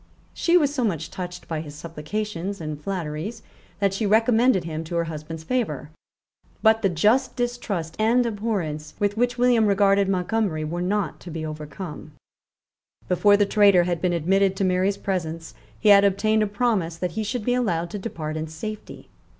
She was so much touched by his supplications and flatteries that she recommended him to her husband's favour; but the just distrust and abhorrence with which William regarded Montgomery were not to be overcome, Before the traitor had been admitted to Mary's presence, he had obtained a promise that he should be allowed to depart in safety.